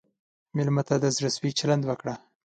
مېلمه ته د زړه سوي چلند وکړه.